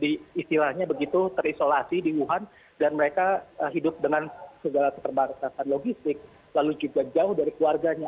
jadi mereka tidak bisa di istilahnya begitu terisolasi di wuhan dan mereka hidup dengan segala keterbangkatan logistik lalu juga jauh dari keluarganya